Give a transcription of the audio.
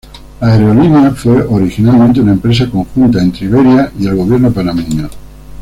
La aerolínea fue originalmente una empresa conjunta entre Iberia y el gobierno panameño.